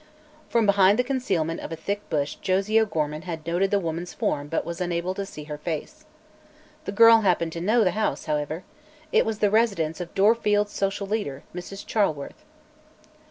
From behind the concealment of a thick bush Josie O'Gorman had noted the woman's form but was unable to see her face. The girl happened to know the house, however. It was the residence of Dorfield's social leader, Mrs. Charleworth.